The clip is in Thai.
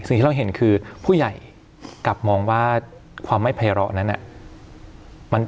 สิ่งที่เราเห็นคือผู้ใหญ่กลับมองว่าความไม่ไพร้อนั้น